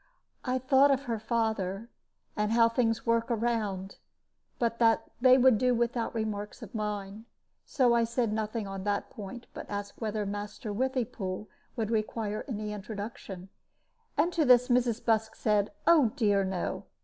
I thought of her father, and how things work round; but that they would do without remarks of mine. So I said nothing on that point, but asked whether Master Withypool would require any introduction. And to this Mrs. Busk said, "Oh dear, no!"